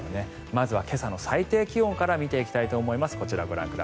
まずは今朝の最低気温から見ていきたいと思います。